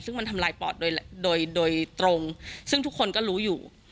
ซึ่งมันทำลายปอดโดยโดยตรงซึ่งทุกคนก็รู้อยู่